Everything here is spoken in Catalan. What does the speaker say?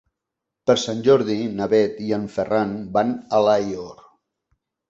Per Sant Jordi na Bet i en Ferran van a Alaior.